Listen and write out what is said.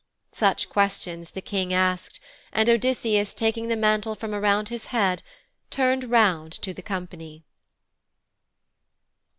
Such questions the King asked, and Odysseus taking the mantle from around his head turned round to the company.